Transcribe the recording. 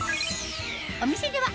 お店では